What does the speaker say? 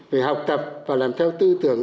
về học tập và làm theo tư tưởng